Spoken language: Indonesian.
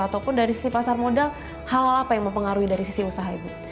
ataupun dari sisi pasar modal hal hal apa yang mempengaruhi dari sisi usaha ibu